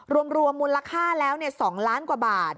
รวมมูลค่าแล้ว๒ล้านกว่าบาท